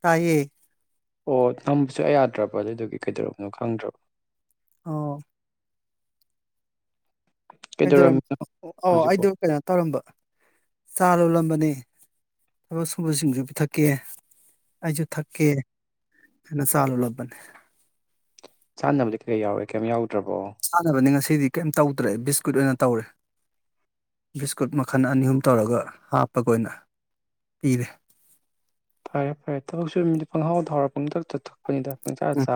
ꯇꯥꯏꯌꯦ ꯑꯣ ꯅꯝꯕ ꯁꯨꯡꯌꯥ ꯌꯥꯗ꯭ꯔꯕ ꯑꯗꯨꯗꯨꯒꯤ ꯀꯩꯗꯧꯔꯕꯅꯣ ꯈꯪꯗ꯭ꯔꯕ ꯑꯣ ꯀꯩꯗꯧꯔꯝ ꯀꯩꯗꯧꯔꯝꯃꯤꯅꯣ ꯑꯣ ꯍꯧꯖꯤꯛꯄꯣ ꯑꯩꯗꯣ ꯀꯩꯅꯣ ꯇꯧꯔꯝꯕ ꯆꯥ ꯂꯣꯜꯂꯝꯕꯅꯦ ꯅꯦ ꯊꯕꯛ ꯁꯨꯕꯁꯤꯡꯁꯨ ꯄꯤꯊꯛꯀꯦ ꯑꯩꯁꯨ ꯊꯛꯀꯦ ꯍꯥꯏꯅ ꯆꯥ ꯂꯣꯜꯂꯝꯕꯅꯦ ꯆꯥꯅꯕꯗꯤ ꯀꯩ ꯌꯥꯎꯔꯦ ꯀꯦꯝ ꯌꯥꯎ ꯆꯥꯅꯕꯗꯤ ꯉꯁꯤꯗꯤ ꯀꯩꯝ ꯇꯧꯗ꯭ꯔꯦ ꯕꯤꯁꯀꯨꯠ ꯑꯣꯏꯅ ꯇꯧꯔꯦ ꯕꯤꯁꯀꯨꯠ ꯃꯈꯜ ꯑꯅꯤ ꯑꯍꯨꯝ ꯇꯧꯔꯒ ꯍꯥꯞꯄꯒ ꯑꯣꯏꯅ ꯄꯤꯔꯦ ꯐꯔꯦ ꯐꯔꯦ ꯊꯕꯛ ꯁꯨꯕ ꯃꯤꯗꯤ ꯄꯪꯍꯥꯎꯗ ꯍꯥꯎꯔ ꯄꯪꯊꯛꯇ ꯊꯛ ꯎꯝ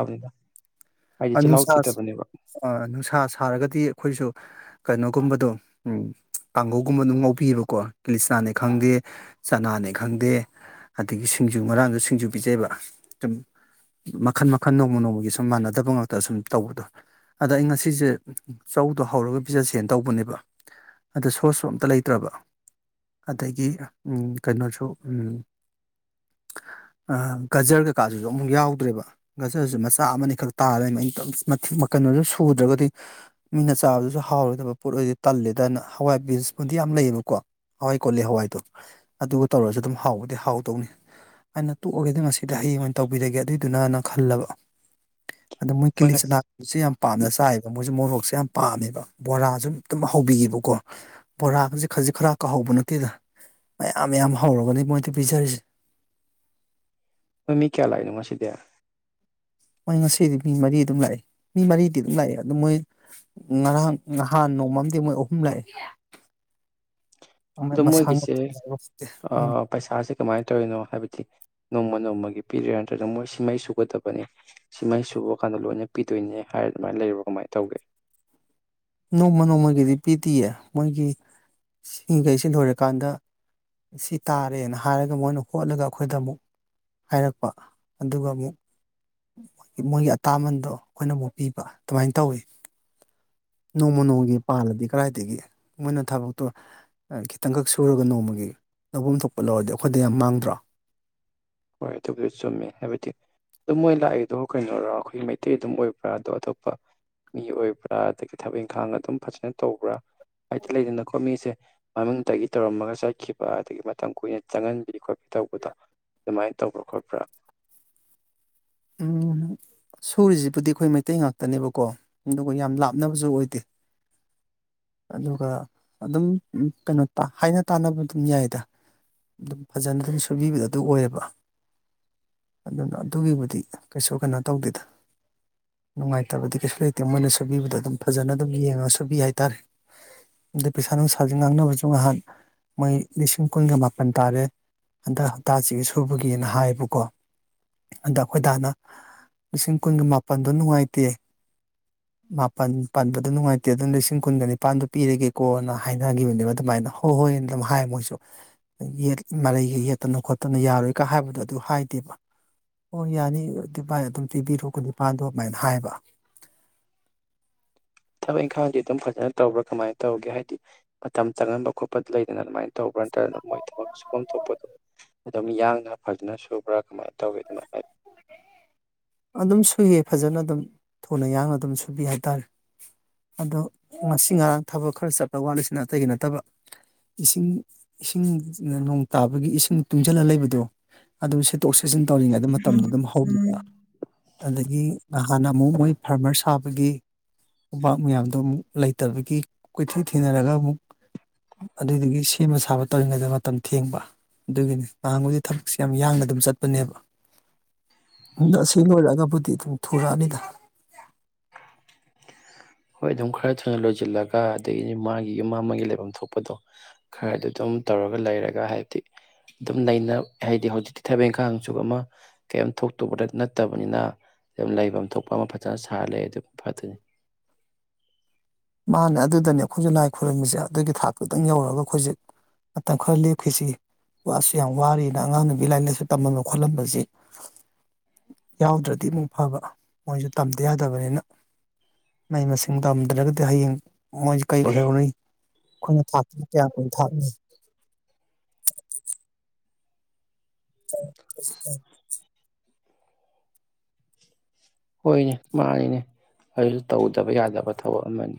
ꯍꯥꯏꯗꯤ ꯑ ꯆꯤꯜꯍꯥꯎ ꯅꯨꯡꯁꯥ ꯊꯤꯗꯕꯅꯦꯕ ꯑ ꯅꯨꯡꯁꯥ ꯁꯥꯔꯒꯗꯤ ꯑꯩꯈꯣꯏꯁꯨ ꯀꯩꯅꯣ ꯒꯨꯝꯕꯗꯣ ꯎꯝ ꯀꯥꯡꯒꯧꯒꯨꯝꯕ ꯑꯗꯨꯝ ꯉꯧꯕꯤꯌꯦꯕꯀꯣ ꯀꯤꯂꯤꯆꯅꯥꯅꯦ ꯈꯪꯗꯦ ꯆꯅꯥꯅꯦ ꯈꯪꯗꯦ ꯑꯗꯒꯤ ꯁꯤꯡꯖꯨ ꯉꯔꯥꯡꯁꯨ ꯁꯤꯡꯖꯨ ꯄꯤꯖꯩꯕ ꯁꯨꯝ ꯃꯈꯜ ꯃꯈꯜ ꯅꯣꯡꯃ ꯅꯣꯡꯃꯒꯤ ꯁꯨꯝ ꯃꯥꯟꯅꯗꯕ ꯉꯥꯛꯇ ꯁꯨꯝ ꯇꯧꯕꯗꯣ ꯑꯗ ꯑꯩ ꯉꯁꯤꯁꯦ ꯆꯧꯗꯣ ꯍꯧꯔꯒ ꯄꯤꯖꯁꯦꯅ ꯇꯧꯕꯅꯦꯕ ꯑꯗ ꯁꯣꯁꯁꯨ ꯑꯝꯇ ꯂꯩꯇ꯭ꯔꯕ ꯑꯗꯒꯤ ꯎꯝ ꯀꯩꯅꯣꯁꯨ ꯎꯝ ꯑꯥ ꯒꯖꯔ ꯀꯩꯀꯥꯗꯨꯁꯨ ꯑꯃꯨꯛ ꯌꯥꯎꯗ꯭ꯔꯦꯕ ꯒꯖꯔꯁꯨ ꯃꯆꯥ ꯑꯃ ꯈꯛ ꯇꯥꯔ ꯂꯩꯔꯝꯃꯦ ꯑꯩꯅ ꯇꯧ ꯃꯊꯤ ꯃꯀꯟ ꯀꯩꯅꯣꯁꯨ ꯁꯨꯗ꯭ꯔꯒꯗꯤ ꯃꯤꯅ ꯆꯥꯕꯗꯁꯨ ꯍꯥꯎꯔꯣꯏꯗꯕ ꯄꯣꯠ ꯑꯣꯏꯔꯗꯤ ꯇꯜꯂꯦꯗꯅ ꯍꯋꯥꯏ ꯕꯤꯟꯁꯕꯨꯨꯗꯤ ꯌꯥꯝ ꯂꯩꯌꯦꯕꯀꯣ ꯍꯋꯥꯏ ꯀꯣꯂꯤ ꯍꯋꯥꯏꯗꯣ ꯑꯗꯨꯒ ꯇꯧꯔꯁꯨ ꯑꯗꯨꯝ ꯍꯥꯎꯕꯗꯤ ꯍꯥꯎꯗꯧꯅꯦ ꯑꯩꯅ ꯇꯣꯛꯑꯒꯦꯗ ꯉꯁꯤꯗꯤ ꯍꯌꯦꯡ ꯑꯣꯏꯅ ꯇꯧꯕꯤꯔꯒꯦ ꯑꯗꯨꯏ ꯗꯨꯅꯅ ꯈꯜꯂꯕ ꯑꯗꯣ ꯃꯣꯏ ꯀꯦꯂꯤꯆꯅꯥ ꯗꯨꯁꯨ ꯌꯥꯝ ꯄꯥꯝꯅ ꯆꯥꯏꯕ ꯃꯣꯏꯁꯨ ꯃꯣꯔꯣꯛ ꯁꯦ ꯌꯥꯝ ꯄꯥꯝꯃꯦꯕ ꯕꯣꯔꯥꯁꯨ ꯗꯨꯝ ꯑꯗꯨꯝ ꯍꯧꯕꯤꯌꯦꯕꯀꯣ ꯕꯣꯔꯥꯒꯁꯦ ꯈꯖꯤꯛ ꯈꯔꯥꯛ ꯀꯥ ꯍꯧꯕ ꯅꯠꯇꯦꯗ ꯃꯌꯥꯝ ꯌꯥꯝꯌꯥꯝ ꯍꯧꯔꯒꯅꯦ ꯃꯣꯏꯗ ꯄꯤꯖꯔꯤꯁꯦ ꯅꯣꯏ ꯃꯤ ꯀꯌꯥ ꯂꯥꯛꯏꯅꯣ ꯉꯁꯤꯗꯤ ꯃꯣꯏ ꯉꯁꯤꯗꯤ ꯃꯤ ꯃꯔꯤ ꯑꯗꯨꯝ ꯂꯥꯛꯑꯦ ꯃꯤ ꯃꯔꯤꯗꯤ ꯑꯗꯨꯝ ꯂꯥꯛꯑꯦ ꯑꯗꯨ ꯃꯣꯏ ꯉꯔꯥꯡ ꯅꯍꯥꯟ ꯅꯣꯡꯃꯝꯗꯤ ꯃꯣꯏ ꯑꯍꯨꯝ ꯂꯥꯛꯑꯦ ꯑꯗꯣ ꯃꯁꯥ ꯃꯣꯏꯒꯤꯁꯦ ꯎꯝ ꯑꯥ ꯄꯩꯁꯥꯁꯦ ꯀꯃꯥꯏ ꯇꯧꯔꯤꯅꯣ ꯍꯥꯏꯕꯗꯤ ꯅꯣꯡꯃ ꯅꯣꯡꯃꯒꯤ ꯄꯤꯔꯤꯔ ꯅꯠꯇ꯭ꯔꯒꯅ ꯃꯣꯏ ꯁꯤꯃꯩ ꯁꯨꯒꯗꯕꯅꯤ ꯁꯤꯃꯩ ꯁꯨꯕ ꯀꯥꯟꯗ ꯂꯣꯏꯅ ꯄꯤꯗꯣꯏꯅꯦ ꯍꯥꯏꯔ ꯑꯗꯨꯃꯥꯏ ꯂꯩꯔ ꯀꯃꯥꯏ ꯇꯧꯒꯦ ꯅꯣꯡꯃ ꯅꯣꯡꯃꯒꯤꯗꯤ ꯄꯤꯗꯌꯦ ꯃꯣꯏꯒꯤ ꯁꯤꯒꯩꯁꯤ ꯂꯣꯏꯔꯀꯥꯟꯗ ꯁꯤ ꯇꯥꯔꯦꯅ ꯍꯥꯏꯔꯒ ꯃꯣꯏꯅ ꯍꯣꯠꯂꯒ ꯑꯩꯈꯣꯏꯗ ꯑꯃꯨꯛ ꯍꯥꯏꯔꯛꯄ ꯑꯗꯨꯒ ꯑꯃꯨꯛ ꯃꯣꯏꯒꯤ ꯑꯇꯥꯃꯟꯗꯣ ꯑꯩꯈꯣꯏꯅ ꯑꯃꯨꯛ ꯄꯤꯕ ꯑꯗꯨꯃꯥꯏꯟ ꯇꯧꯋꯦ ꯅꯣꯡꯃ ꯅꯣꯡꯃꯒꯤ ꯄꯥꯜꯂꯗꯤ ꯀꯗꯥꯏꯗꯒꯤ ꯃꯣꯏꯅ ꯊꯕꯛꯇꯣ ꯈꯤꯇꯪꯈꯛ ꯁꯨꯔꯒ ꯅꯣꯡꯃꯒꯤ ꯂꯧꯐꯝ ꯊꯣꯛꯄ ꯂꯧꯔꯗꯤ ꯑꯩꯈꯣꯏꯗ ꯌꯥꯝ ꯃꯥꯡꯗ꯭ꯔꯣ ꯍꯣꯏ ꯑꯗꯨꯕꯨꯗꯨ ꯆꯨꯝꯃꯦ ꯍꯥꯏꯕꯗꯤ ꯑꯗꯨꯝ ꯃꯣꯏ ꯂꯥꯛꯏꯗꯣ ꯀꯩꯅꯣꯔꯣ ꯑꯩꯈꯣꯏꯒꯤ ꯃꯩꯇꯩ ꯑꯗꯨꯝ ꯑꯣꯏꯕ꯭ꯔꯥ ꯑꯗꯣ ꯑꯇꯣꯞꯄ ꯃꯤ ꯑꯣꯏꯕ꯭ꯔꯥ ꯑꯗꯒꯤ ꯊꯕꯛ ꯏꯪꯈꯥꯡ ꯑꯗꯨꯝ ꯐꯖꯅ ꯇꯧꯕ꯭ꯔꯥ ꯍꯥꯏꯗꯤ ꯂꯩꯗꯅꯀꯣ ꯃꯤꯁꯦ ꯃꯃꯤꯡꯇꯒꯤ ꯇꯧꯔꯝꯃꯒ ꯆꯠꯈꯤꯕ ꯑꯗꯒꯤ ꯃꯇꯝ ꯀꯨꯏꯅ ꯆꯪꯍꯟꯕꯤ ꯈꯣꯠꯄꯤ ꯇꯧꯕꯗꯣ ꯃꯥꯏꯟ ꯇꯧꯕ꯭ꯔꯥ ꯈꯣꯠꯄ꯭ꯔꯥ ꯎꯝ ꯁꯨꯔꯤꯁꯤꯕꯨꯗꯤ ꯑꯩꯈꯣꯏ ꯃꯩꯇꯩ ꯉꯥꯛꯇꯅꯦꯕꯀꯣ ꯑꯗꯨꯒ ꯌꯥꯝ ꯂꯥꯞꯅꯕꯁꯨ ꯑꯣꯏꯗꯦ ꯑꯗꯨꯒ ꯑꯗꯨꯝ ꯀꯩꯅꯣ ꯇꯥ ꯍꯥꯏꯅ ꯇꯥꯅꯕ ꯑꯗꯨꯝ ꯌꯥꯏꯗ ꯑꯗꯨꯝ ꯐꯖꯅ ꯑꯗꯨꯝ ꯁꯨꯕꯤꯕꯗꯣ ꯑꯗꯨ ꯑꯣꯏꯌꯦꯕ ꯑꯗꯨꯅ ꯑꯗꯨꯒꯤꯕꯨꯗꯤ ꯀꯩꯁꯨ ꯀꯩꯅꯣ ꯇꯧꯗꯦꯗ ꯅꯨꯡꯉꯥꯏꯇꯕꯗꯤ ꯀꯩꯁꯨ ꯂꯩꯇꯦ ꯃꯣꯏꯅ ꯁꯨꯕꯤꯕꯗꯣ ꯑꯗꯨꯝ ꯐꯖꯅ ꯑꯗꯨꯝ ꯌꯦꯡꯉꯒ ꯁꯨꯕꯤ ꯍꯥꯏꯇꯥꯔꯦ ꯑꯗꯩ ꯄꯩꯁꯥ ꯅꯨꯡꯁꯥꯥꯁꯦ ꯉꯥꯡꯅꯕꯁꯨ ꯅꯍꯥꯟ ꯃꯣꯏ ꯂꯤꯁꯤꯡ ꯀꯨꯟꯒ ꯃꯥꯄꯟ ꯇꯥꯔꯦ ꯍꯟꯗꯛ ꯍꯞꯇꯥꯁꯤꯒꯤ ꯁꯨꯕꯒꯤꯅ ꯍꯥꯏꯌꯦꯕꯀꯣ ꯑꯗ ꯍꯣꯏꯗꯥꯅ ꯂꯤꯁꯤꯡ ꯀꯨꯟꯒ ꯃꯥꯄꯜꯗꯣ ꯅꯨꯡꯉꯥꯏꯇꯦ ꯃꯥꯄꯜ ꯄꯥꯟꯕꯗꯣ ꯅꯨꯡꯉꯥꯏꯇꯦ ꯑꯗꯨꯅ ꯂꯤꯁꯤꯡ ꯀꯨꯟꯒ ꯅꯤꯄꯥꯥꯟꯗꯣ ꯄꯤꯔꯒꯦꯀꯣꯅ ꯍꯥꯏꯅꯈꯤꯕꯅꯦꯕ ꯑꯗꯨꯃꯥꯏꯅ ꯍꯣꯏ ꯍꯣꯏꯅ ꯑꯗꯨꯝ ꯍꯥꯏ ꯃꯣꯏꯁꯨ ꯌꯦꯠ ꯃꯔꯩꯒ ꯌꯦꯠꯇꯅ ꯈꯣꯠꯇꯅ ꯌꯥꯔꯣꯏꯀ ꯍꯥꯏꯕꯗꯣ ꯑꯗꯨ ꯍꯥꯏꯗꯦꯕ ꯑꯣ ꯌꯥꯅꯤ ꯑꯗꯨ ꯕꯥꯥꯏ ꯑꯗꯨꯝ ꯄꯤꯕꯤꯔꯣ ꯀꯨꯟ ꯅꯤꯄꯥꯜꯗꯣ ꯑꯗꯨꯃꯥꯏꯅ ꯍꯥꯏꯕ ꯊꯕꯛ ꯏꯪꯈꯥꯡꯗꯤ ꯑꯗꯨꯝ ꯐꯖꯅ ꯇꯧꯕ꯭ꯔꯥ ꯀꯃꯥꯏꯅ ꯇꯧꯒꯦ ꯍꯥꯏꯗꯤ ꯃꯇꯝ ꯆꯪꯍꯟꯕ ꯈꯣꯠꯄ ꯂꯩꯗꯅ ꯑꯗꯨꯃꯥꯏꯅ ꯇꯧꯕ꯭ꯔꯥ ꯅꯠꯇꯅ ꯃꯣꯏ ꯊꯕꯛ ꯁꯨꯐꯝ ꯊꯣꯛꯄꯗꯣ ꯑꯗꯨꯝ ꯌꯥꯡꯅ ꯐꯖꯅ ꯁꯨꯕ꯭ꯔꯥ ꯀꯃꯥꯏꯅ ꯇꯧꯋꯤ ꯑꯗꯨꯃꯥꯏ ꯍꯥꯏ ꯑꯗꯨꯝ ꯁꯨꯏꯌꯦ ꯐꯖꯅ ꯑꯗꯨꯝ ꯊꯨꯅ ꯌꯥꯡꯅ ꯑꯗꯨꯝ ꯁꯨꯕꯤ ꯍꯥꯏꯇꯥꯔꯦ ꯑꯗꯣ ꯉꯁꯤ ꯉꯔꯥꯡ ꯊꯕꯛ ꯈꯔ ꯆꯠꯂ ꯋꯥꯠꯂꯤꯁꯤꯅ ꯑꯇꯩꯒꯤ ꯅꯠꯇꯕ ꯏꯁꯤꯡ ꯏꯁꯤꯡ ꯑ ꯅꯣꯡ ꯇꯥꯕꯒꯤ ꯏꯁꯤꯡ ꯇꯨꯡꯁꯤꯜꯂ ꯂꯩꯕꯗꯣ ꯑꯗꯣ ꯁꯤꯠꯇꯣꯛ ꯁꯤꯠꯆꯤꯟ ꯇꯧꯔꯤꯉꯩꯗ ꯃꯇꯝꯗꯣ ꯎꯝ ꯑꯗꯨꯝ ꯎꯝ ꯍꯧꯈꯤꯕ ꯑꯗꯒꯤ ꯅꯍꯥꯟꯅ ꯑꯃꯨꯛ ꯃꯣꯏ ꯐꯥꯔꯃꯔ ꯁꯥꯕꯒꯤ ꯎꯕꯥꯛ ꯃꯌꯥꯝꯗꯣ ꯑꯃꯨꯛ ꯂꯩꯇꯕꯒꯤ ꯀꯣꯏꯊꯤ ꯊꯤꯅꯔꯒ ꯑꯃꯨꯛ ꯑꯗꯨꯏꯗꯨꯒꯤ ꯁꯦꯝꯕ ꯁꯥꯕ ꯇꯧꯔꯤꯉꯩꯗ ꯃꯇꯝ ꯊꯦꯡꯕ ꯑꯗꯨꯒꯤꯅꯤ ꯅꯍꯥꯟꯒꯣꯏꯗꯤ ꯊꯕꯛꯁꯦ ꯌꯥꯝ ꯌꯥꯡꯅ ꯑꯗꯨꯝ ꯆꯠꯄꯅꯦꯕ ꯑꯗꯣ ꯑꯁ ꯁꯤ ꯂꯣꯏꯔꯒꯕꯨꯗꯤ ꯑꯗꯨꯝ ꯊꯨꯔꯛꯑꯅꯤꯗ ꯍꯣꯏ ꯑꯗꯨꯝ ꯈꯔ ꯊꯨꯅ ꯂꯣꯏꯁꯤꯜꯂꯒ ꯑꯗꯒꯤꯗꯤ ꯃꯥꯒꯤ ꯌꯨꯝ ꯃ ꯑꯃꯒꯤꯒꯤ ꯂꯩꯐꯝ ꯊꯣꯛꯄꯗꯣ ꯈꯔꯗ ꯑꯗꯨꯝ ꯇꯧꯔꯒ ꯂꯩꯔꯒ ꯍꯥꯏꯕꯗꯤ ꯑꯗꯨꯝ ꯅꯩꯅ ꯍꯥꯏꯕꯗꯤ ꯍꯧꯖꯤꯛꯇꯤ ꯊꯕꯛ ꯏꯪꯈꯡꯁꯨ ꯑꯃ ꯀꯩꯝ ꯊꯣꯛꯇꯨꯕꯗ ꯅꯠꯇꯕꯅꯤꯅ ꯑꯗꯨꯝ ꯂꯩꯐꯝ ꯊꯣꯛꯄ ꯑꯃ ꯐꯖꯅ ꯁꯥꯔ ꯂꯩ ꯑꯗꯨꯝ ꯐꯠꯇꯣꯏꯅꯤ ꯃꯅꯦ ꯑꯗꯨꯗꯅꯦ ꯑꯩꯈꯣꯏꯁꯨ ꯂꯥꯏ ꯈꯣꯏꯔꯝꯃꯤꯁꯦ ꯑꯗꯨꯒꯤ ꯊꯥꯛꯇꯛꯇꯪ ꯌꯧꯔꯒ ꯑꯩꯈꯣꯏꯖꯤꯛ ꯃꯇꯝ ꯈꯔ ꯂꯦꯞꯈꯤꯁꯤ ꯋꯥꯁꯨ ꯌꯥꯝ ꯋꯥꯔꯤꯅ ꯑꯉꯥꯡ ꯅꯨꯒꯤ ꯂꯥꯏꯔꯤꯛ ꯂꯥꯏꯁꯨ ꯇꯝꯃꯟꯕ ꯈꯣꯠꯂꯝꯟꯕꯁꯤ ꯌꯥꯎꯗ꯭ꯔꯗꯤ ꯑꯃꯨꯛ ꯐꯕ ꯃꯣꯏꯁꯨ ꯇꯝꯗ ꯌꯥꯗꯕꯅꯤꯅ ꯃꯍꯩ ꯃꯁꯤꯡ ꯇꯝꯗ꯭ꯔꯒꯗꯤ ꯍꯌꯦꯡ ꯃꯣꯏꯁ ꯀꯩꯑꯣꯏꯍꯧꯅꯤ ꯑꯩꯈꯣꯏꯅ ꯊꯥꯛꯇ ꯀꯌꯥ ꯀꯨꯏꯅ ꯊꯥꯛꯅꯤ [inaudible] ꯍꯣꯏꯅꯦ ꯃꯥꯅꯤꯅꯦ ꯑꯗꯨꯁꯨ ꯇꯧꯗꯕ ꯌꯥꯗꯕ ꯊꯕꯛ ꯑꯃꯅꯤ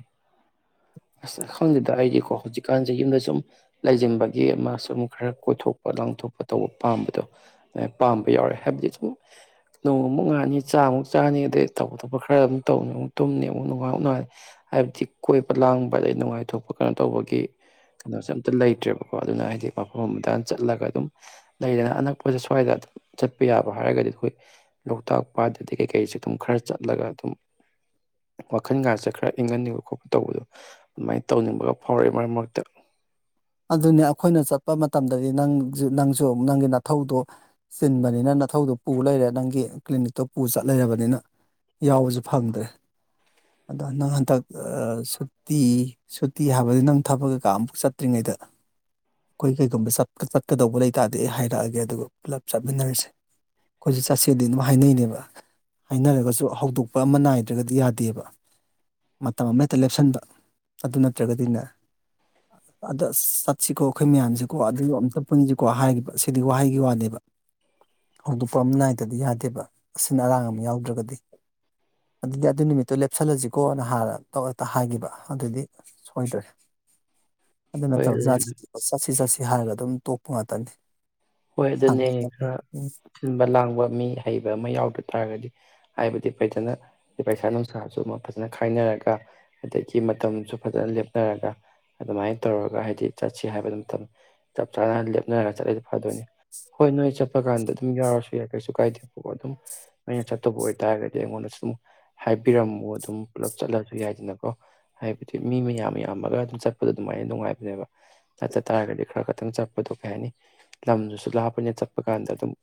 ꯑꯁ ꯈꯪꯗꯦꯗ ꯑꯩꯗꯤꯀꯣ ꯍꯧꯖꯤꯛꯀꯥꯟꯁꯦ ꯌꯨꯝꯗ ꯁꯨꯝ ꯂꯩꯁꯤꯟꯕꯒꯤ ꯑꯃ ꯁꯨꯝ ꯈꯔ ꯀꯣꯏꯊꯣꯛꯄ ꯂꯥꯡꯊꯣꯛꯄ ꯇꯧꯕ ꯄꯥꯝꯕꯗꯣ ꯄꯥꯝꯕ ꯌꯥꯎꯔꯦ ꯍꯥꯏꯕꯗꯤ ꯁꯨꯝ ꯅꯣꯡꯃꯨꯛ ꯉꯥꯅꯤ ꯆꯥꯃꯨꯛ ꯆꯥꯛ ꯆꯥꯅꯤ ꯑꯗꯩ ꯇꯧꯕ ꯊꯣꯄ ꯈꯔ ꯑꯗꯨꯝ ꯇꯧꯅꯤ ꯑꯃꯨꯛ ꯇꯨꯝꯅꯤ ꯑꯃꯨꯛ ꯅꯨꯡꯉꯥꯏ ꯅꯨꯡꯉꯥꯏꯅꯤ ꯍꯥꯏꯕꯗꯤ ꯀꯣꯏꯕ ꯂꯥꯡꯕ ꯑꯗꯩ ꯅꯨꯡꯉꯥꯏꯊꯣꯛꯄ ꯀꯩꯅꯣ ꯇꯧꯕꯒꯤ ꯀꯩꯅꯣꯁꯦ ꯑꯝꯇ ꯂꯩꯇ꯭ꯔꯦꯕꯀꯣ ꯑꯗꯨꯅ ꯍꯥꯏꯗꯤ ꯃꯐꯝ ꯑꯃꯗ ꯆꯠꯂꯒ ꯑꯗꯨꯝ ꯂꯩꯗꯅ ꯑꯅꯛꯄꯁꯦ ꯁ꯭ꯋꯥꯏꯗ ꯑꯗꯨꯝ ꯆꯠꯄ ꯌꯥꯕ ꯍꯥꯏꯔꯒꯗꯤ ꯑꯩꯈꯣꯏ ꯂꯣꯛꯇꯥꯛ ꯄꯥꯠ ꯑꯇꯩ ꯀꯩꯀꯩꯁꯦ ꯑꯗꯨꯝ ꯈꯔ ꯆꯠꯂꯒ ꯑꯗꯨꯝ ꯋꯥꯈꯜꯒꯥꯁꯦ ꯈꯔ ꯏꯪꯍꯟꯅꯤꯡꯕ ꯈꯣꯠꯄ ꯇꯧꯕꯗꯣ ꯑꯗꯨꯃꯥꯏꯅ ꯇꯧꯅꯤꯡꯕꯒ ꯐꯥꯎꯔꯛꯑꯏ ꯃꯔꯛ ꯃꯔꯛꯇ ꯑꯗꯨꯅꯦ ꯑꯩꯈꯣꯏꯅ ꯆꯠꯄ ꯃꯇꯝꯗꯗꯤ ꯅꯪꯁꯨ ꯅꯪꯁꯨ ꯅꯪꯒꯤ ꯅꯥꯊꯧꯗꯣ ꯆꯤꯟꯕꯅꯤꯅ ꯅꯅꯥꯊꯧꯗꯣ ꯄꯨ ꯂꯩꯔꯦ ꯅꯪꯒꯤ ꯀ꯭ꯂꯤꯅꯤꯛꯇꯣ ꯄꯨ ꯆꯠ ꯂꯩꯔꯕꯅꯤꯅ ꯌꯥꯎꯕꯁꯨ ꯐꯪꯗ꯭ꯔꯦ ꯑꯗꯣ ꯅꯪ ꯍꯟꯗꯛ ꯁꯨꯇꯤ ꯁꯨꯇꯤ ꯍꯥꯏꯕꯗꯤ ꯅꯪ ꯊꯕꯛ ꯀꯩꯀꯥ ꯑꯃꯨꯛ ꯆꯠ ꯆꯠꯇ꯭ꯔꯤꯉꯩꯗ ꯑꯩꯈꯣꯏ ꯀꯩꯒꯨꯝꯕ ꯆꯠꯀꯗꯧꯕ ꯂꯩꯇꯥꯔꯗꯤ ꯑꯩ ꯍꯥꯏꯔꯛꯑꯒꯦ ꯑꯗꯨꯒ ꯄꯨꯂꯞ ꯆꯠꯃꯤꯟꯅꯔꯁꯦ ꯑꯩꯈꯣꯏꯁꯨꯦ ꯆꯠꯁꯦꯗꯤ ꯑꯗꯨꯝ ꯍꯥꯏꯅꯩꯅꯦꯕ ꯍꯥꯏꯅꯔꯒꯁꯨ ꯍꯧꯗꯣꯛꯄ ꯑꯃ ꯅꯥꯏꯗ꯭ꯔꯒꯗꯤ ꯌꯥꯗꯦꯕ ꯃꯇꯝ ꯑꯃꯛꯇ ꯂꯦꯞꯁꯟꯕ ꯑꯗꯨ ꯅꯠꯇ꯭ꯔꯒꯗꯤꯅꯦ ꯑꯗ ꯆꯠꯁꯤꯀꯣ ꯑꯩꯈꯣꯏ ꯃꯌꯥꯝꯁꯤꯀꯣ ꯑꯗꯨ ꯑꯝꯇ ꯄꯨꯟꯁꯤꯀꯣ ꯍꯥꯏꯈꯤꯕ ꯁꯤꯗꯤ ꯋꯥꯍꯩꯒꯤ ꯋꯥꯅꯦꯕ ꯍꯧꯗꯣꯛꯄ ꯑꯃ ꯅꯥꯏꯗꯗꯤ ꯌꯥꯗꯦꯕ ꯑꯁꯤꯅ ꯑꯔꯥꯡ ꯑꯃ ꯌꯥꯎꯗ꯭ꯔꯒꯗꯤ ꯑꯗꯨꯗꯤ ꯑꯗꯨ ꯅꯨꯃꯤꯠꯇꯣ ꯂꯦꯞꯁꯜꯂꯁꯤꯀꯣꯅ ꯍꯥꯟꯅ ꯇꯧꯛꯇ ꯍꯥꯏꯈꯤꯕ ꯑꯗꯨꯗꯤ ꯁꯣꯏꯗ꯭ꯔꯦ ꯑꯗꯨ ꯍꯣꯏ ꯅꯠꯇꯕ ꯖꯥꯠ ꯆꯠꯁꯤ ꯆꯠꯁꯤ ꯍꯥꯏꯔꯒ ꯑꯗꯨꯝ ꯇꯣꯞꯄꯨ ꯉꯥꯛꯇꯅꯤ ꯍꯣꯏ ꯑꯗꯨꯅꯦ ꯁꯪꯗꯕ ꯈꯔ ꯁꯤꯟꯕ ꯂꯥꯡꯕ ꯃꯤ ꯍꯩꯕ ꯑꯃ ꯌꯥꯎꯗ ꯇꯥꯔꯒꯗꯤ ꯍꯥꯏꯕꯗꯤ ꯐꯖꯅ ꯄꯩꯁꯥ ꯅꯨꯡꯁꯥꯁꯨ ꯑꯃ ꯐꯖꯅ ꯈꯥꯏꯅꯔꯒ ꯑꯗꯒꯤ ꯃꯇꯝꯁꯨ ꯐꯖꯅ ꯂꯦꯞꯅꯔꯒ ꯑꯗꯨꯃꯥꯏꯅ ꯇꯧꯔꯒ ꯍꯥꯏꯗꯤ ꯆꯠꯁꯤ ꯍꯥꯏꯕꯗꯨ ꯃꯇꯝ ꯆꯞ ꯆꯥꯅ ꯂꯦꯞꯅꯔꯒ ꯆꯠꯂꯁ ꯐꯗꯣꯏꯅꯤ ꯍꯣꯏ ꯅꯣꯏ ꯆꯠꯄ ꯀꯥꯟꯗ ꯑꯗꯨꯝ ꯌꯥꯎꯔꯁꯨ ꯌꯥꯏ ꯀꯩꯁꯨ ꯀꯥꯏꯗꯦꯕꯀꯣ ꯑꯗꯨꯝ ꯅꯣꯏꯅ ꯆꯠꯇꯕ ꯑꯣꯏꯇꯥꯔꯒꯗꯤ ꯑꯩꯉꯣꯟꯗꯁꯨ ꯑꯗꯨꯝ ꯍꯥꯏꯕꯤꯔꯝꯃꯨ ꯑꯗꯨꯝ ꯄꯨꯂꯞ ꯆꯠꯂꯁꯨ ꯌꯥꯏꯗꯅꯀꯣ ꯍꯥꯏꯕꯗꯤ ꯃꯤ ꯃꯌꯥꯝ ꯌꯥꯝꯃꯒ ꯑꯗꯨꯝ ꯆꯠꯄꯗꯣ ꯑꯗꯨꯃꯥꯏꯅ ꯅꯨꯡꯉꯥꯏꯕꯅꯦꯕ ꯅꯠꯇ ꯇꯥꯔꯒꯗꯤ ꯈꯔ ꯈꯛꯇꯪ ꯆꯠꯄꯗꯣ ꯀꯩ ꯍꯥꯏꯅꯤ ꯂꯝꯗꯨꯁꯨ ꯂꯥꯞꯄꯅꯤꯅ ꯆꯠꯄ ꯀꯥꯟꯗ ꯑꯗꯨꯝ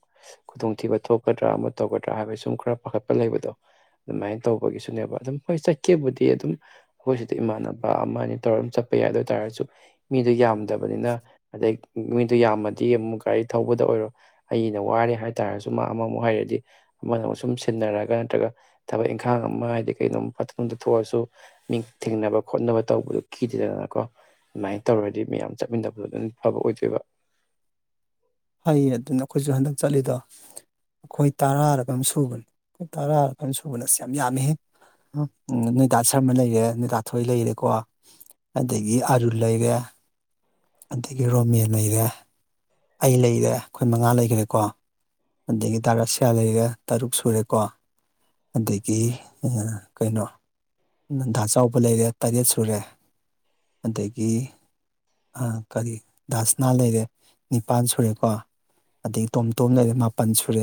ꯈꯨꯗꯣꯡꯊꯤꯕ ꯊꯣꯛꯀꯗ꯭ꯔꯥ ꯑꯃ ꯇꯧꯒꯗ꯭ꯔꯥ ꯍꯥꯏꯕ ꯁꯨꯝ ꯈꯔ ꯄꯥꯈꯠꯄ ꯂꯩꯕꯗꯣ ꯑꯗꯨꯃꯥꯏꯅ ꯇꯧꯕꯒꯤꯁꯨꯅꯦꯕꯈ ꯑꯗꯨꯝ ꯍꯣꯏ ꯆꯠꯀꯦꯕꯨꯗꯤ ꯑꯗꯨꯝ ꯑꯩꯈꯣꯏꯁꯤꯗ ꯏꯃꯥꯟꯅꯕ ꯑꯃ ꯑꯅꯤ ꯇꯧꯔ ꯑꯗꯨꯝ ꯆꯠꯄ ꯌꯥꯏ ꯑꯗꯨ ꯑꯣꯏꯇꯥꯥꯔꯁꯨ ꯃꯤꯗꯣ ꯌꯥꯝ ꯐꯠꯇꯕꯅꯤꯅ ꯑꯗꯩ ꯃꯤꯗꯨ ꯌꯥꯝꯃꯗꯤ ꯑꯃꯨꯛ ꯀꯔꯤ ꯊꯧꯕꯗ ꯑꯣꯏꯔꯣ ꯑꯩꯅ ꯋꯥꯔꯦ ꯍꯥꯏꯇꯥꯥꯔꯁꯨ ꯃꯥ ꯑꯃꯃꯨꯛ ꯍꯩꯔꯗꯤ ꯑꯃꯅ ꯑꯃꯨꯛ ꯁꯨꯝ ꯁꯤꯟꯅꯔꯒ ꯅꯠꯇ꯭ꯔꯒ ꯊꯕꯛ ꯏꯪꯈꯥꯡ ꯑꯃ ꯍꯥꯏꯗꯤ ꯀꯩꯅꯣꯝ ꯐꯠꯇꯣꯝꯗ ꯊꯣꯛꯑꯁꯨ ꯃꯤ ꯊꯦꯡꯅꯕ ꯈꯣꯠꯅꯕ ꯇꯧꯕꯗꯣ ꯀꯤꯗꯦꯗꯅꯀꯣ ꯑꯗꯨꯃꯥꯏꯅ ꯇꯧꯔꯗꯤ ꯃꯌꯥꯝ ꯆꯠꯃꯤꯟꯅꯕꯗꯣ ꯑꯗꯨꯝ ꯐꯕ ꯑꯣꯏꯗꯣꯏꯕ ꯐꯩ ꯑꯗꯨꯅ ꯑꯩꯈꯣꯏꯁꯨ ꯍꯟꯗꯛ ꯆꯠꯂꯤꯗꯣ ꯑꯩꯈꯣꯏ ꯇꯔꯥ ꯔꯥꯀꯩꯅꯣꯝ ꯁꯨꯕꯅꯤ ꯑꯩꯈꯣꯏ ꯇꯔꯥꯔ ꯁꯨꯕꯅ ꯁꯤ ꯌꯥꯝ ꯌꯥꯝꯃꯤ ꯅꯣꯏꯗꯥ ꯁꯔꯃ ꯂꯩꯔꯦ ꯅꯣꯏꯗꯥꯊꯣꯏ ꯂꯩꯔꯦꯀꯣ ꯑꯗꯒꯤ ꯑꯥꯔꯨꯜ ꯂꯩꯔꯦ ꯑꯗꯒꯤ ꯔꯣꯃꯦ ꯂꯩꯔꯦ ꯑꯩ ꯂꯩꯔꯦ ꯑꯩꯈꯣꯏ ꯃꯉꯥ ꯂꯩꯈ꯭ꯔꯦꯀꯣ ꯑꯗꯒꯤ ꯗꯥꯔꯥꯁꯤꯌꯥ ꯂꯩꯔꯦ ꯇꯔꯨꯛ ꯁꯨꯔꯦꯀꯣ ꯑꯗꯒꯤ ꯀꯩꯅꯣ ꯅꯟꯗꯥ ꯆꯥꯎꯕ ꯂꯩꯔꯦ ꯇꯔꯦꯠ ꯁꯨꯔꯦ ꯑꯗꯒꯤ ꯀꯔꯤ ꯗꯥꯁꯅꯥ ꯂꯩꯔꯦ ꯅꯤꯄꯥꯜ ꯁꯨꯔꯦꯀꯣ ꯑꯗꯒꯤ ꯇꯣꯝ ꯇꯣꯝ ꯂꯩꯔꯦ ꯃꯥꯄꯜ ꯁꯨꯔꯦ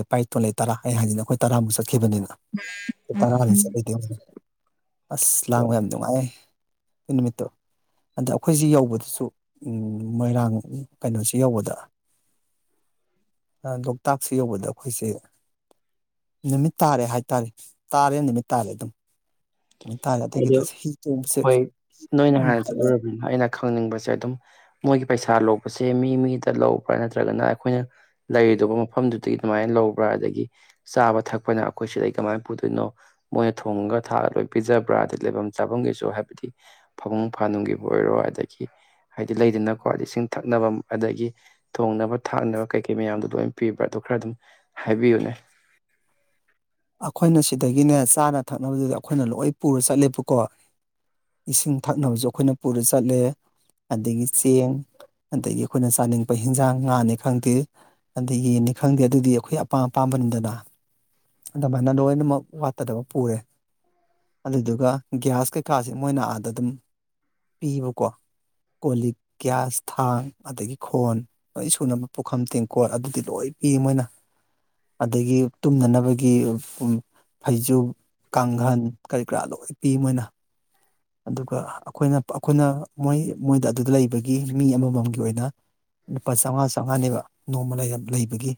[unintelligible] [unintelligible] ꯑꯁ ꯂꯥꯡ ꯍꯣꯏ ꯌꯥꯝ ꯅꯨꯡꯉꯥꯏ ꯑꯦ ꯅꯨꯃꯤꯠꯇꯣ ꯑꯗ ꯑꯩꯈꯣꯏꯁꯦ ꯌꯧꯕꯗꯁꯨ ꯎꯝ ꯃꯣꯏꯔꯥꯡ ꯀꯩꯅꯣꯁꯤ ꯌꯧꯕꯗ ꯂꯣꯛꯇꯥꯛꯁꯦ ꯌꯧꯕꯗ ꯑꯩꯈꯣꯏꯁꯦ ꯅꯨꯃꯤꯠ ꯇꯥꯔꯦ ꯍꯥꯏꯇꯥꯔꯦ ꯇꯥꯔꯦ ꯅꯨꯃꯤꯠ ꯇꯥꯔꯦ ꯑꯗꯨꯝ ꯅꯨꯃꯤꯠ ꯇꯥꯔꯦ ꯑꯗꯒꯤꯗꯤ ꯑ ꯑꯁ ꯍꯤ ꯇꯣꯡꯕꯁꯦ ꯍꯣꯏ ꯅꯣꯏꯅ ꯑꯗꯨꯝ ꯍꯥꯟꯅ ꯍꯩꯅ ꯆꯠꯂꯨꯔꯕꯅꯤꯅ ꯑꯩꯅ ꯈꯪꯅꯤꯡꯕꯁꯦ ꯑꯗꯨꯝ ꯃꯣꯏꯒꯤ ꯄꯩꯁꯥ ꯂꯣꯛꯄꯁꯦ ꯃꯤ ꯃꯤꯗ ꯂꯧꯕ꯭ꯔꯥ ꯅꯠꯇ꯭ꯔꯒꯅ ꯑꯩꯈꯣꯏꯅ ꯂꯩꯔꯗꯕ ꯃꯐꯝꯗꯨꯗꯒꯤ ꯑꯗꯨꯃꯥꯏꯅ ꯂꯧꯕ꯭ꯔꯥ ꯑꯗꯒꯤ ꯆꯥꯕ ꯊꯛꯄꯅ ꯑꯩꯈꯣꯏ ꯁꯤꯗꯩ ꯀꯃꯥꯏꯅ ꯄꯨꯗꯣꯏꯅꯣ ꯃꯣꯏꯅ ꯊꯣꯡꯉꯒ ꯊꯥꯛꯑꯒ ꯄꯤꯖ ꯄꯨꯔꯥ ꯂꯩꯐꯝ ꯆꯥꯐꯝꯒꯤꯁꯨ ꯍꯥꯏꯕꯗꯤ ꯐꯃꯨꯡ ꯐꯥꯅꯨꯡꯒꯤꯕꯨ ꯑꯣꯏꯔꯣ ꯑꯗꯒꯤ ꯍꯥꯏꯗꯤ ꯂꯩꯗꯅꯀꯣ ꯏꯁꯤꯡ ꯊꯛꯅꯕ ꯑꯗꯒꯤ ꯊꯣꯡꯅꯕ ꯊꯥꯛꯅꯕ ꯀꯩꯀꯩ ꯃꯌꯥꯝꯗꯣ ꯂꯣꯏꯅ ꯄꯤꯕ꯭ꯔꯥ ꯑꯗꯨ ꯈꯔ ꯑꯗꯨꯝ ꯍꯥꯏꯕꯤꯌꯨꯅꯦ ꯑꯩꯈꯣꯏꯅ ꯁꯤꯗꯒꯤꯅꯦ ꯆꯥꯅ ꯊꯛꯅꯕꯗꯨꯗꯤ ꯑꯩꯈꯣꯏꯅ ꯂꯣꯏ ꯄꯨꯔ ꯆꯠꯂꯦꯕꯀꯣ ꯏꯁꯤꯡ ꯊꯛꯅꯕꯁꯨ ꯑꯩꯈꯣꯏꯅ ꯄꯨꯔ ꯆꯠꯂꯦ ꯑꯗꯒꯤ ꯆꯦꯡ ꯑꯗꯒꯤ ꯑꯩꯈꯣꯏꯅ ꯆꯥꯅꯤꯡꯄ ꯍꯤꯟꯖꯥꯡ ꯉꯥꯅꯤ ꯈꯪꯗꯦ ꯑꯗꯒꯤ ꯌꯦꯟꯅꯤ ꯈꯪꯗꯦ ꯑꯗꯨꯗꯤ ꯑꯩꯈꯣꯏ ꯑꯄꯥꯝ ꯑꯄꯥꯝꯕꯅꯤꯗꯅ ꯑꯗꯨꯃꯥꯏꯅ ꯂꯣꯏꯅꯃꯛ ꯋꯥꯠꯇꯗꯕ ꯄꯨꯔꯦ ꯑꯗꯨꯗꯨꯒ ꯒ꯭ꯌꯥꯁ ꯀꯩꯀꯥꯁꯦ ꯃꯣꯏꯅ ꯑꯥꯗ ꯑꯗꯨꯝ ꯄꯤꯕꯀꯣ ꯀꯣ ꯂꯤꯛ ꯒ꯭ꯌꯥꯁ ꯊꯥꯡ ꯑꯗꯒꯤ ꯈꯣꯟ ꯂꯣꯏ ꯁꯨꯅꯕ ꯄꯨꯈꯝ ꯇꯦꯡꯀꯣꯠ ꯑꯗꯨꯗꯤ ꯂꯣꯏ ꯄꯤ ꯃꯣꯏꯅ ꯑꯗꯒꯤ ꯇꯨꯝꯅꯅꯕ ꯒꯤ ꯎ ꯎꯝ ꯐꯩꯖꯨꯞ ꯀꯥꯡꯒꯟ ꯀꯔꯤ ꯀꯔꯥ ꯂꯣꯏ ꯄꯤ ꯃꯣꯏꯅ ꯑꯗꯨꯒ ꯑꯩꯈꯣꯏꯅ ꯑꯩꯈꯣꯏꯅ ꯃꯣꯏ ꯃꯣꯏꯗ ꯑꯗꯨꯗ ꯂꯩꯕꯒꯤ ꯃꯤ ꯑꯃꯃꯝꯒꯤ ꯑꯣꯏꯅ ꯂꯨꯄꯥ ꯆꯥꯝꯃꯉꯥ ꯆꯥꯝꯃꯉꯥꯅꯦꯕ ꯅꯣꯡꯃ ꯂꯩꯔ ꯂꯩꯕꯒꯤ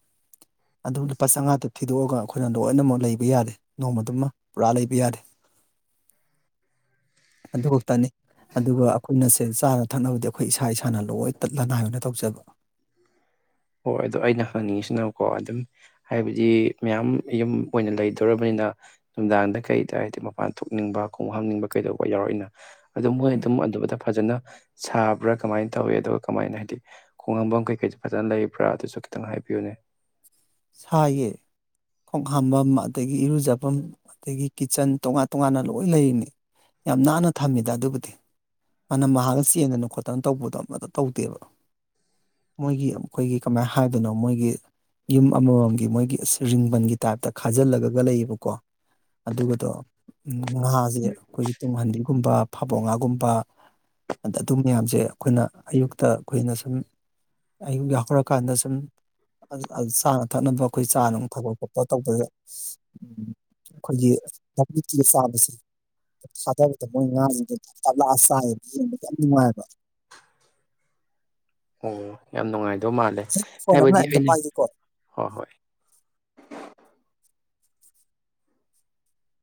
ꯑꯗꯨ ꯂꯨꯄꯥ ꯆꯥꯝꯃꯉꯥꯗꯨ ꯊꯤꯗꯣꯛꯑꯒ ꯑꯩꯈꯣꯏꯅ ꯂꯣꯏꯅꯃꯛ ꯂꯩꯕ ꯌꯥꯔꯦ ꯅꯣꯡꯃꯗꯨꯃ ꯄꯨꯔꯥ ꯂꯩꯕ ꯌꯥꯔꯦ ꯑꯗꯨ ꯇꯅꯤ ꯑꯗꯨꯒ ꯑꯩꯈꯣꯏꯅ ꯁꯦ ꯆꯥꯅ ꯊꯛꯅꯕꯗꯤ ꯑꯩꯈꯣꯏ ꯏꯁꯥ ꯏꯁꯥꯅ ꯂꯣꯏ ꯇꯠ ꯂꯅꯥꯏ ꯑꯣꯏꯅ ꯇꯧꯖꯕ ꯍꯣꯏ ꯑꯗꯨꯗꯣ ꯑꯩꯅ ꯍꯪꯅꯤꯡꯉꯤꯁꯤꯅꯀꯣ ꯑꯗꯨꯝ ꯍꯥꯏꯕꯗꯤ ꯃꯌꯥꯝ ꯌꯨꯝ ꯑꯣꯏꯅ ꯂꯩꯗꯧꯔꯕꯅꯤꯅ ꯅꯨꯡꯗꯥꯡꯗ ꯀꯩꯗ ꯍꯥꯏꯗꯤ ꯃꯄꯥꯟ ꯊꯣꯛꯅꯤꯡꯕ ꯈꯣꯡ ꯍꯥꯝꯅꯤꯡꯕ ꯀꯩꯗꯧꯕ ꯌꯥꯎꯔꯛꯏꯅ ꯑꯗꯨ ꯃꯣꯏ ꯑꯗꯨꯝ ꯑꯗꯨꯝꯕꯗ ꯐꯖꯅ ꯁꯥꯕ꯭ꯔꯥ ꯀꯃꯥꯏꯅ ꯇꯧꯏ ꯑꯗꯨꯒ ꯀꯃꯥꯏꯅ ꯍꯥꯏꯗꯤ ꯈꯣꯡ ꯍꯥꯝꯕ ꯀꯩꯀꯩꯗ ꯐꯖꯅ ꯂꯩ ꯄ꯭ꯔꯥ ꯑꯗꯨꯁꯨ ꯈꯤꯇꯪ ꯍꯥꯏꯕꯤꯌꯨꯅꯦ ꯁꯥꯌꯦ ꯈꯣꯡ ꯍꯥꯥꯝꯕꯝ ꯑꯗꯒꯤ ꯏꯔꯨꯖꯐꯝ ꯑꯗꯒꯤ ꯀꯤꯠꯆꯟ ꯇꯣꯉꯥꯟ ꯇꯣꯉꯥꯟꯅ ꯂꯣꯏ ꯂꯩꯔꯤꯅꯤ ꯌꯥꯝ ꯅꯥꯟꯅ ꯊꯝꯃꯤꯗ ꯑꯗꯨꯕꯨꯗꯤ ꯃꯥꯅꯝ ꯃꯍꯥꯛꯅ ꯆꯦꯟꯗꯅ ꯈꯣꯠꯇꯅ ꯇꯧꯕꯗꯣ ꯑꯃꯇ ꯇꯧꯗꯦꯕ ꯃꯣꯏꯒꯤ ꯑꯩꯈꯣꯏꯒꯤ ꯀꯃꯥꯏꯅ ꯍꯥꯏꯗꯣꯏꯅꯣ ꯃꯣꯏꯒꯤ ꯌꯨꯝ ꯑꯃꯃꯝꯒꯤ ꯃꯣꯏꯒꯤ ꯑꯁ ꯔꯤꯡꯕꯟꯒꯤ ꯇꯥꯏꯞꯇ ꯈꯥꯖꯤꯜꯂꯒ ꯂꯩꯌꯦꯕꯀꯣ ꯑꯗꯨꯒꯗꯣ ꯉꯥꯁꯦ ꯑꯩꯈꯣꯏꯒꯤ ꯇꯨꯡꯍꯟꯕꯤꯒꯨꯝꯕ ꯐꯥꯕꯧ ꯉꯥꯒꯨꯝꯕ ꯑꯗ ꯑꯗꯨ ꯃꯌꯥꯝꯁꯦ ꯑꯩꯈꯣꯏꯅ ꯑꯌꯨꯛꯇ ꯑꯩꯈꯣꯏꯅ ꯁꯨꯝ ꯑꯌꯨꯛ ꯌꯥꯍꯧꯔꯀꯥꯟꯗ ꯁꯨꯝ ꯆꯥꯅ ꯊꯛꯅꯕ ꯑꯩꯈꯣꯏ ꯆꯥꯅꯕ ꯊꯛꯄ ꯈꯣꯠꯄ ꯇꯧꯕꯗ ꯑꯩꯈꯣꯏꯒꯤ ꯆꯥꯕꯁꯦ ꯊꯥꯕꯗ ꯃꯣꯏ ꯉꯥꯁꯤꯡꯗꯨ ꯇꯞ ꯂꯥꯛꯑꯒ ꯆꯥꯏꯌꯦ ꯌꯦꯡꯕꯗ ꯌꯥꯝ ꯅꯨꯡꯉꯥꯏꯕ ꯑꯣ ꯌꯥꯝ ꯅꯨꯡꯉꯥꯏ ꯑꯗꯨ ꯃꯥꯜꯂꯦ ꯐꯣꯟ ꯑꯃ ꯍꯥꯏꯕꯗꯤ ꯂꯥꯛꯑꯦ ꯑꯝꯇ ꯑꯩ ꯄꯥꯏꯒꯦꯀꯣ ꯍꯣ ꯍꯣꯏ